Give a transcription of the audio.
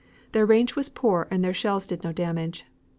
Their range was poor and their shells did no damage.